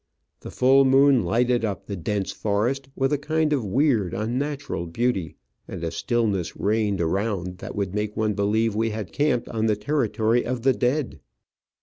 The full moon lighted up the dense forest with a kind of weird, unnatural beauty, and a stillness reigned around that would make one believe we had camped on the terri tory of the dead.